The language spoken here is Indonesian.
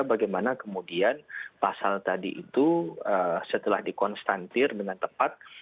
bagaimana kemudian pasal tadi itu setelah dikonstantir dengan tepat